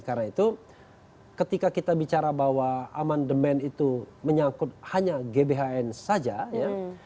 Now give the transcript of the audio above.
karena itu ketika kita bicara bahwa aman demand itu menyangkut hanya gbhn saja ya